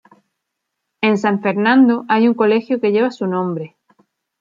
En San Fernando hay un colegio que lleva su nombre.